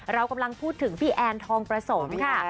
เรากำลังพูดถึงพี่แอนทองประสมค่ะ